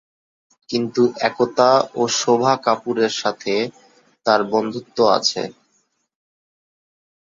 কিন্তু একতা ও শোভা কাপুরের সাথে তার বন্ধুত্ব আছে।